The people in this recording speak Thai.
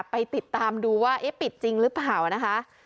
ไปติดตามดูว่าเอ๊ะปิดจริงหรือเปล่านะคะ